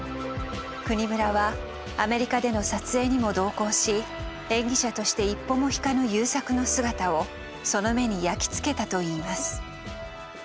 國村はアメリカでの撮影にも同行し演技者として一歩も引かぬ優作の姿をその目に焼き付けたといいます。